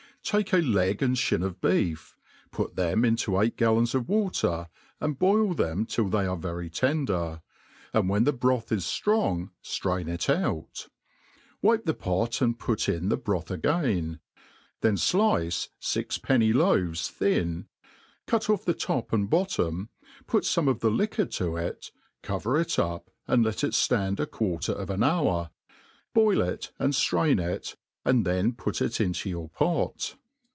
TAKE a leg and (bin of beef, put them into eight gallons of water, and boil them till they are very tender, and when the broth is ftrong .ftrain it out : wipe the pot and put in the broth again; then fllce fix penny loaves thin, cut off* the top and bottom, put fome of the liquor to it, cover it up and let it ftand a quarter of an hour, boil it and ftrain it, and then put it into your pot.